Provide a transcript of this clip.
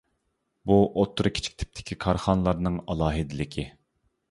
بۇ ئوتتۇرا كىچىك تىپتىكى كارخانىلارنىڭ ئالاھىدىلىكى.